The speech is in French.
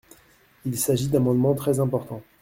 Il s’agit d’amendements très importants.